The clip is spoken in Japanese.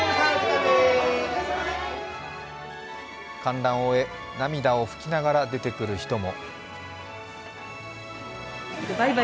観覧を終え涙を拭きながら出てくる人も。